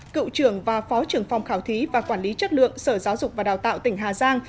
cựu trưởng và phó trưởng phòng khảo thí và quản lý chất lượng sở giáo dục và đào tạo tỉnh hà giang